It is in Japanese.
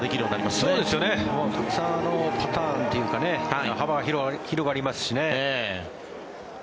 たくさんパターンというか幅が広がりますしね。